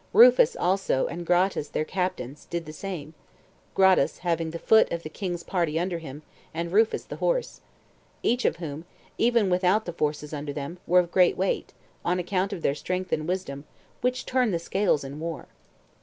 Rufus also, and Gratus, their captains, did the same, [Gratus having the foot of the king's party under him, and Rufus the horse,] each of whom, even without the forces under them, were of great weight, on account of their strength and wisdom, which turn the scales in war.